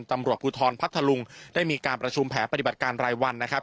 ตำรวจภูทรพัทธลุงได้มีการประชุมแผนปฏิบัติการรายวันนะครับ